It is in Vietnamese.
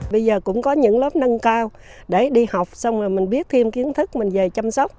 bây giờ cũng có những lớp nâng cao để đi học xong rồi mình biết thêm kiến thức mình về chăm sóc